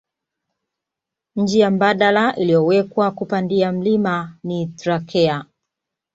Wjia mbadala iliyowekwa kupandia mlima ni trakea